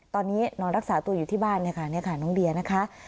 ตอนนี้นอนรักษาตัวอยู่ที่บ้านเนี่ยค่ะนี่ค่ะน้องเดียนะคะ